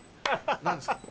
何ですか？